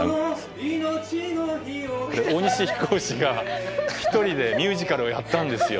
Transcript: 大西飛行士が１人でミュージカルをやったんですよ。